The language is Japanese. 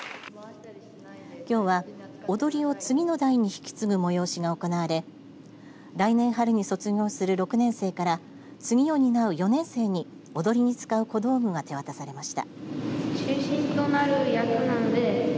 きょうは、踊りを次の代に引き継ぐ催しが行われ来年春に卒業する６年生から次を担う４年生に踊りに使う小道具が手渡されました。